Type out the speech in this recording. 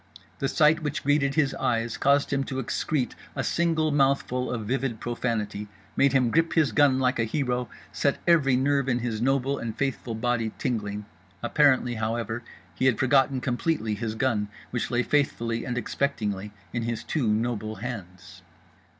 The sight which greeted his eyes caused him to excrete a single mouthful of vivid profanity, made him grip his gun like a hero, set every nerve in his noble and faithful body tingling. Apparently however he had forgotten completely his gun, which lay faithfully and expectingly in his two noble hands.